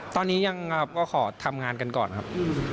ตอนนี้ยังครับก็ขอทำงานกันก่อนครับ